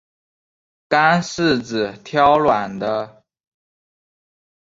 干柿子挑软的